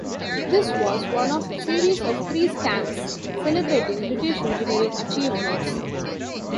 This was one of a series of three stamps celebrating British Engineering Achievements.